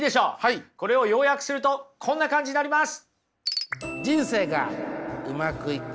これを要約するとこんな感じになります。